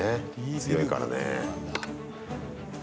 強いからね。